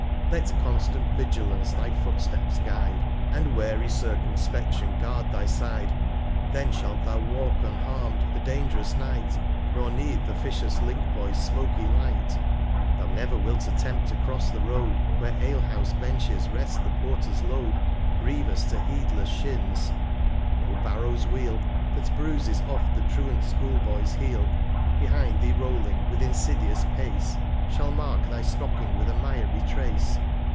Let constant Vigilance thy Footsteps guide, 1 1 1 And wary Circumspection guard thy Side ; Then shalt thou walk unharm'd the dang'rous Night, Nor need th' officious Link Boy's smoaky Light. Thou never wilt attempt to cross the Road, 115 Where Alehouse Benches rest the Porter's Load, Grievous to heedless Shins ; No Barrow's Wheel, That bruises oft' the Truant School Boy's Heel, Behind thee rolling, with insidious Pace, Shall mark thy Stocking with a miry Trace.